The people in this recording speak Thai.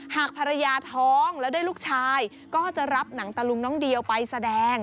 หากภรรยาท้องแล้วได้ลูกชายก็จะรับหนังตะลุงน้องเดียวไปแสดง